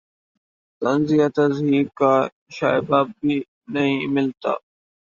طنز یا تضحیک کا شائبہ بھی نہیں ملتا